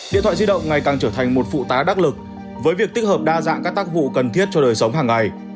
điện thoại di động ngày càng trở thành một phụ tá đắc lực với việc tích hợp đa dạng các tác vụ cần thiết cho đời sống hàng ngày